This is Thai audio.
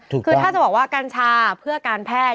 คือถ้าจะบอกว่ากัญชาเพื่อการแพทย์